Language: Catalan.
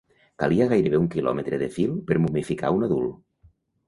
Calia gairebé un quilòmetre de fil per momificar un adult.